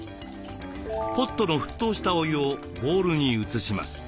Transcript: ポットの沸騰したお湯をボウルに移します。